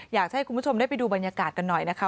อยากให้คุณผู้ชมได้ไปดูบรรยากาศกันหน่อยนะคะ